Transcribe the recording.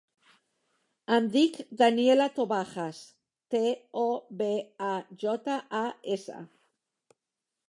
Em dic Daniella Tobajas: te, o, be, a, jota, a, essa.